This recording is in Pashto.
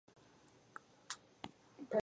غړي یې له سترو ځمکوالو له منځه ټاکل کېدل